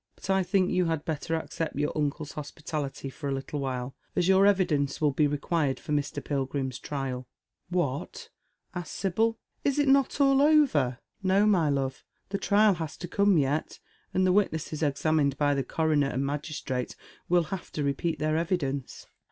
But I think you had better accept your uncle's hospitality for a little while, as your evidence will ba required for Mr. Pilgrim's trial." " What ?" asks Sibyl, " is it not all over ?"" No, my love, the trial has to come yet, and the witnesses examined by the coroner and magistrate will have to repeat theii evidence